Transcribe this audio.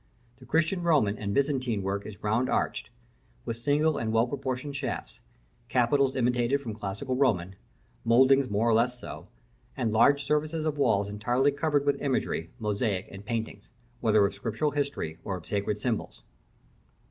The Christian Roman and Byzantine work is round arched, with single and well proportioned shafts; capitals imitated from classical Roman; mouldings more or less so; and large surfaces of walls entirely covered with imagery, mosaic, and paintings, whether of scripture history or of sacred symbols.